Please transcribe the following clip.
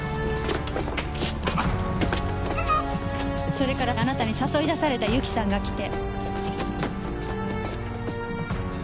それからあなたに誘い出された由紀さんが来て。